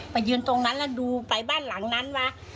ยืนตรงนั้นแล้วดูไปบ้านหลังนั้นว่า